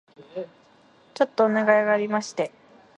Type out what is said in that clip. ちょっとお願いがありまして